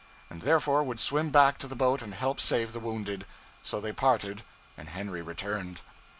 and therefore would swim back to the boat and help save the wounded. So they parted, and Henry returned.